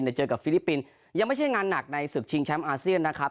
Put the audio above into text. เจอกับฟิลิปปินส์ยังไม่ใช่งานหนักในศึกชิงแชมป์อาเซียนนะครับ